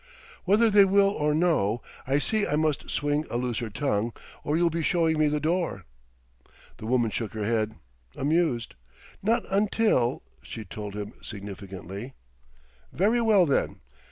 "Whether they will or no, I see I must swing a looser tongue, or you'll be showing me the door." The woman shook her head, amused, "Not until," she told him significantly. "Very well, then."